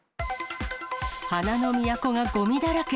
花の都がごみだらけ。